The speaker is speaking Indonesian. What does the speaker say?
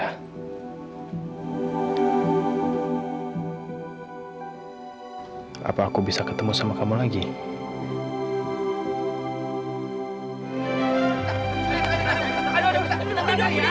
sekarang seperti apa wajah kamu anissa